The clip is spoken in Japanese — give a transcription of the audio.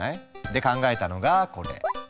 で考えたのがこれ。